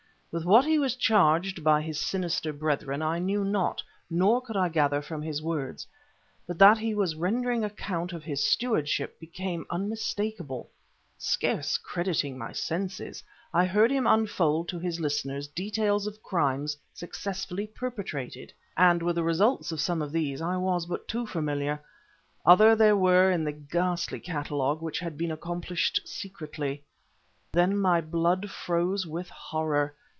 With what he was charged by his sinister brethren I knew not nor could I gather from his words, but that he was rendering account of his stewardship became unmistakable. Scarce crediting my senses, I heard him unfold to his listeners details of crimes successfully perpetrated, and with the results of some of these I was but too familiar; other there were in the ghastly catalogue which had been accomplished secretly. Then my blood froze with horror.